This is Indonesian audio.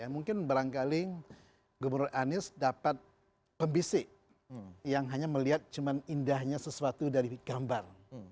mungkin barangkali gubernur anies dapat pembisik yang hanya melihat cuma indahnya sesuatu dari gambar